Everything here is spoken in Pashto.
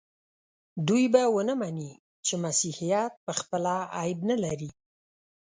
دوی به ونه مني چې مسیحیت پخپله عیب نه لري.